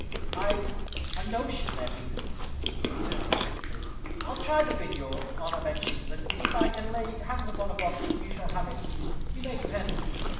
"I've a notion there be," returned Timothy. "I'll try the bin your honor mentions, and if I can lay hands upon a bottle you shall have it, you may depend."